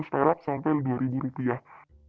lima ratus terat sampai dua ribu rupiah